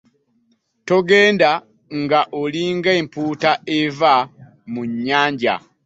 Togenda nga olinga empuuta eva mu nnyanja.